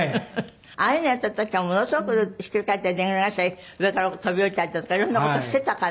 ああいうのをやってた時はものすごくひっくり返ったりでんぐり返ししたり上から飛び降りたりだとかいろんな事してたから。